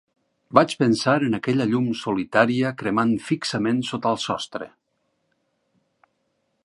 Vaig pensar en aquella llum solitària cremant fixament sota el sostre.